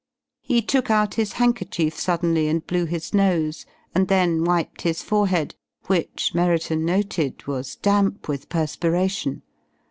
He took out his handkerchief suddenly and blew his nose, and then wiped his forehead, which, Merriton noted, was damp with perspiration.